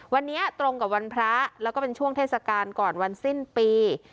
วันนี้ตรงกับวันพระแล้วก็เป็นช่วงเทศกาลก่อนวันสิ้นปี